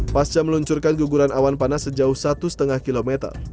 pasca meluncurkan guguran awan panas sejauh satu lima km